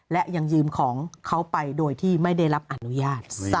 และยังยืมของเขาไปโดยที่ไม่ได้รับอนุญาต